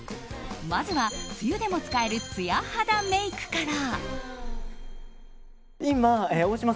まずは、梅雨でも使えるつや肌メイクから。